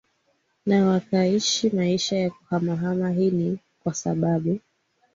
na wakaishi maisha ya kuhamahama Hii ni kwa sababu